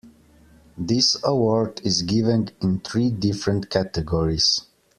This award is given in three different categories.